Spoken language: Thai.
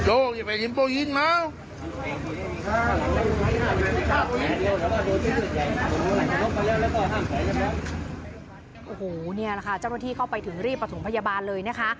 โอ้โหนี่แหละค่ะเจ้าหน้าที่เข้าไปถึงรีบประถมพยาบาลเลยนะคะ